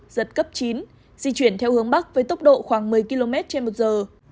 giật cấp chín di chuyển theo hướng bắc với tốc độ khoảng một mươi km trên một giờ